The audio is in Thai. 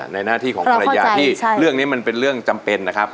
หน้าที่ของภรรยาที่เรื่องนี้มันเป็นเรื่องจำเป็นนะครับ